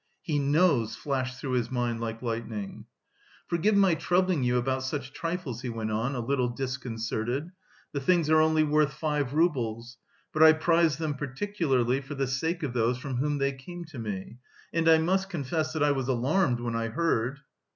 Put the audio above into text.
"He knows," flashed through his mind like lightning. "Forgive my troubling you about such trifles," he went on, a little disconcerted, "the things are only worth five roubles, but I prize them particularly for the sake of those from whom they came to me, and I must confess that I was alarmed when I heard..."